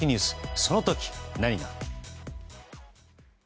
その時、何が？